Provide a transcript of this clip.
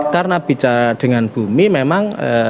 karena bicara dengan bumi memang